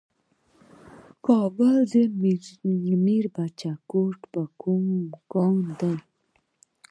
د کابل په میربچه کوټ کې کوم کانونه دي؟